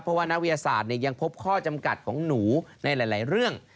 เพราะว่านักวิทยาศาสตร์ยังพบข้อจำกัดของหนูในหลายเรื่อง